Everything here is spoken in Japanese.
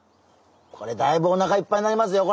これだいぶおなかいっぱいなりますよ